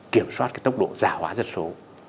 kiểm soát cái tốc độ giả hóa dân số